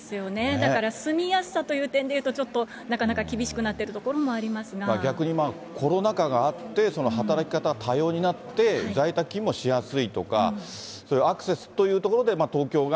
だから、住みやすさという点で言うと、ちょっとなかなか厳しくなってると逆に、コロナ禍があって、働き方、多様になって、在宅勤務はしやすいとか、そういうアクセスというところで東京が。